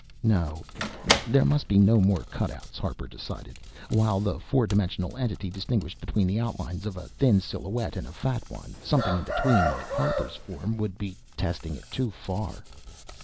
No, there must be no more cutouts, Harper decided. While the four dimensional entity distinguished between the outlines of a thin silhouette and a fat one, something in between, like Harper's form, would be testing It too far.